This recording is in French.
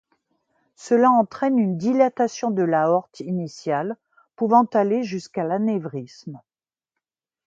Cela entraîne une dilatation de l'aorte initiale pouvant aller jusqu'à l'anévrisme.